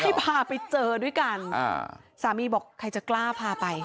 พาไปเจอด้วยกันอ่าสามีบอกใครจะกล้าพาไป